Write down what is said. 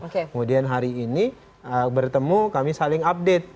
kemudian hari ini bertemu kami saling update